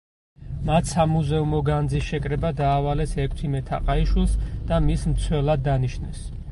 მათ სამუზეუმო განძის შეკრება დაავალეს ექვთიმე თაყაიშვილს და მის მცველად დანიშნეს.